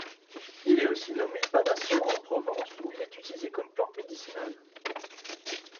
Il est aussi nommé Badasson en Provence où il est utilisé comme plante médicinale.